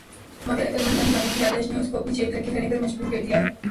مگر عقل مند بن جانے کی لالچ نے اس کو اپنی جیب ہلکی کرنے پر مجبور کر دیا۔